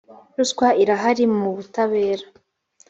ruswa irahari mu butabera